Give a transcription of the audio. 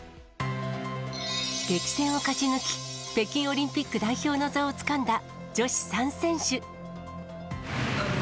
激戦を勝ち抜き、北京オリンピック代表の座をつかんだ女子３選手。